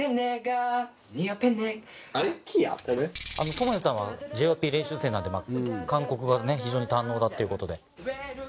トモヤさんは ＪＹＰ 練習生なんで韓国語が非常に堪能だっていうことで。